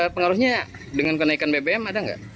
pengaruhnya dengan kenaikan bbm ada nggak